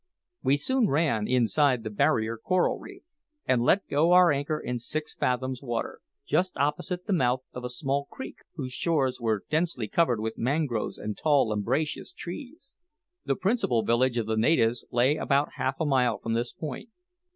We soon ran inside the barrier coral reef, and let go our anchor in six fathoms water, just opposite the mouth of a small creek, whose shores were densely covered with mangroves and tall umbrageous trees. The principal village of the natives lay about half a mile from this point.